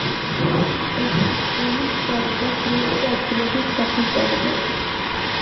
პერსპექტიული მშრალი და ხრიოკი ადგილების გასამწვანებლად.